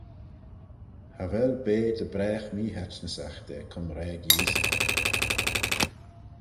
Cha vel bea dy bragh meehaitnysagh da comraag Yeesey.